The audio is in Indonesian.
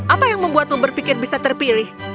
apa yang membuatmu berpikir bisa terpilih